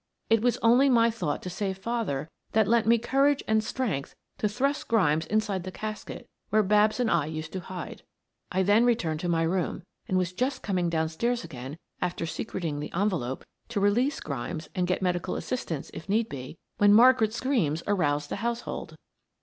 It was only my thought to save father that lent me courage and strength to thrust Grimes inside the casket where Babs and I used to hide. I then returned to my room, and was just coming downstairs again after secreting the envelope, to release Grimes and get medical assistance if need be, when Margaret's screams aroused the household."